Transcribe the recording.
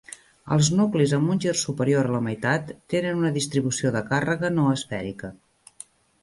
Els nuclis amb un gir superior a la meitat tenen una distribució de càrrega no esfèrica.